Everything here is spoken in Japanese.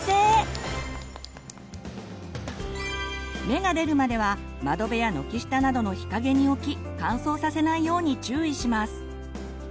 芽が出るまでは窓辺や軒下などの日かげに置き乾燥させないように注意します。